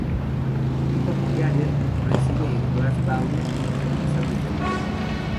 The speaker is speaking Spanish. Chuck Yeager reside en Grass Valley, en el estado de California.